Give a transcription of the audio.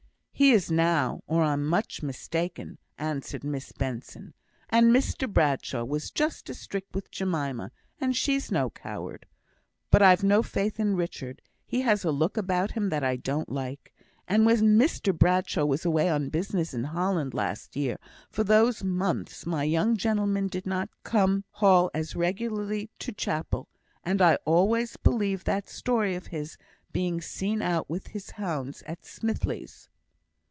"He is now, or I'm much mistaken," answered Miss Benson. "And Mr Bradshaw was just as strict with Jemima, and she's no coward. But I've no faith in Richard. He has a look about him that I don't like. And when Mr Bradshaw was away on business in Holland last year, for those months my young gentleman did not come half as regularly to chapel, and I always believe that story of his being seen out with the hounds at Smithiles."